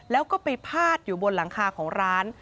แล้วก็ไปพาดอยู่บนหลังคาของร้าน